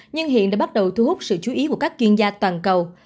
nhưng hiện đã bắt đầu thu hút sự chú ý của các chuyên gia toàn cầu